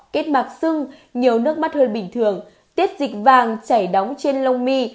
kết mạc xưng nhiều nước mắt hơn bình thường tiết dịch vàng chảy đóng trên lông mi